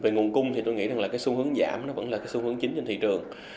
về nguồn cung thì tôi nghĩ rằng là cái xu hướng giảm nó vẫn là cái xu hướng chính trên thị trường